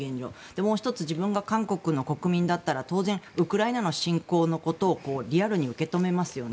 もう１つ自分が韓国の国民だったら当然ウクライナの侵攻のことをリアルに受け止めますよね。